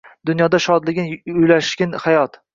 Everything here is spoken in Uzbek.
Dunyoning shodligin ulashgin hayot